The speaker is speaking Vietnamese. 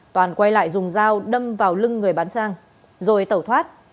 toàn quay lại dùng dao đâm vào lưng người bắn xăng rồi tẩu thoát